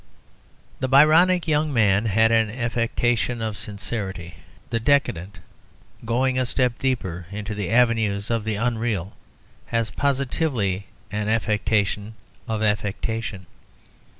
The Byronic young man had an affectation of sincerity; the decadent, going a step deeper into the avenues of the unreal, has positively an affectation of affectation.